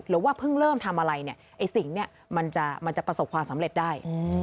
หรือว่าเพิ่งเริ่มทำอะไรเนี่ยไอ้สิ่งเนี่ยมันจะประสบความสำเร็จได้